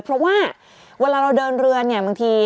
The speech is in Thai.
เพราะว่าเวลาเราเดินเรือเนี่ยบางที